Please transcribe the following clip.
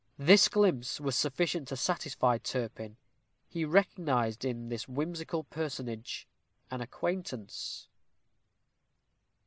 This glimpse was sufficient to satisfy Turpin. He recognized in this whimsical personage an acquaintance.